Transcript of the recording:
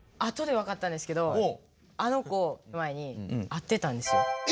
後でわかったんですけどあの子前に会ってたんですよ。